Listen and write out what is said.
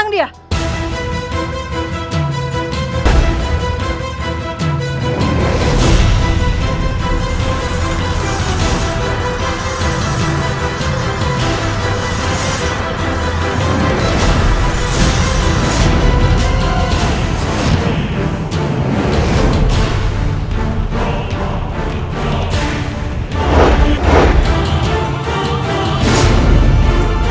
tidak ada apa buya